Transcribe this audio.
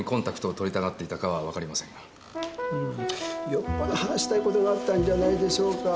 よっぽど話したいことがあったんじゃないでしょうか。